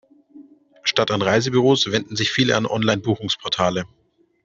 Statt an Reisebüros wenden sich viele an Online-Buchungsportale.